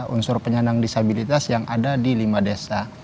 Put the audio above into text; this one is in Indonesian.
unsur penyandang disabilitas yang ada di lima desa